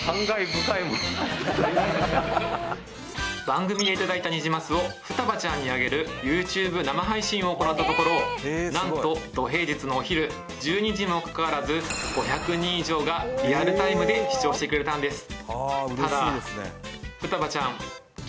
番組でいただいたニジマスをふたばちゃんにあげるＹｏｕＴｕｂｅ生配信を行ったところ何とど平日のお昼１２時にもかかわらず５００人以上がリアルタイムで視聴してくれたんです